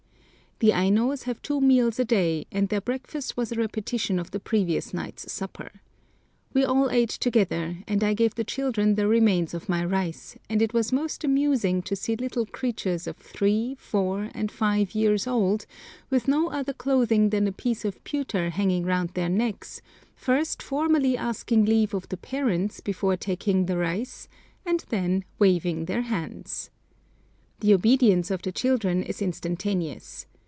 The Ainos have two meals a day, and their breakfast was a repetition of the previous night's supper. We all ate together, and I gave the children the remains of my rice, and it was most amusing to see little creatures of three, four, and five years old, with no other clothing than a piece of pewter hanging round their necks, first formally asking leave of the parents before taking the rice, and then waving their hands. The obedience of the children is instantaneous.